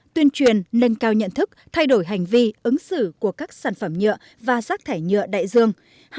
tuyên truyền nâng cao nhận thức thay đổi hành vi ứng xử của các sản phẩm nhựa và rác thải nhựa đại dương